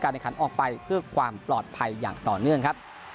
ในขันออกไปเพื่อความปลอดภัยอย่างต่อเนื่องครับ